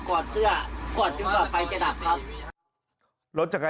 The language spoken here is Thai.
กอดเสื้อกอดจนกว่าไฟจะดับครับ